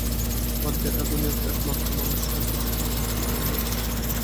আবার দেখো, দুনিয়ায় তুমিই একমাত্র মানুষ যাকে আমি মনের কথাগুলো বলতে পারিনা।